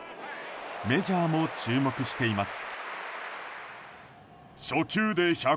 メジャーも注目しています。